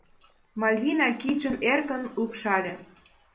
Мальвина кидшым эркын лупшале: